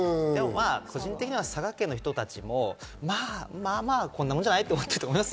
個人的には佐賀県の人たちもまぁまぁこんなもんじゃない？と思ってると思います。